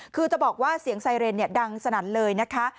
คือจะบอกว่าเสียงไซเรนดังสนั่นเลยนะคะ